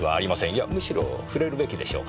いやむしろ触れるべきでしょう。